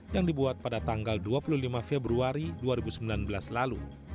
yang dibuat pada tanggal dua puluh lima februari dua ribu sembilan belas lalu